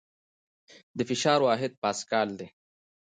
د فشار واحد پاسکال دی.